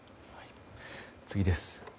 次です。